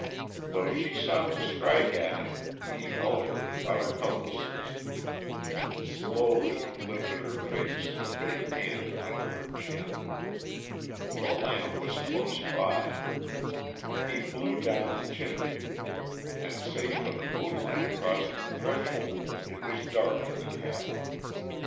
Though she sought to strike at him he held her in utter helplessness. Slowly he lifted her face, a big hand under her chin. The lamp was close by; he blew down the chimney and save for the moonlight across the threshold it was dark in the cabin.